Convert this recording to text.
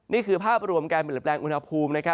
นี่คือภาพรวมแก่เป็นแบบแรงอุณหภูมิ